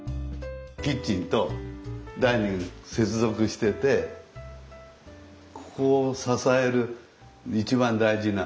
キッチンとダイニング接続しててここを支える一番大事な空間になってる。